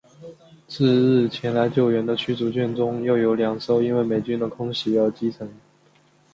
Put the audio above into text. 次日前来救援的驱逐舰中又有两艘因为美军的空袭而被击沉。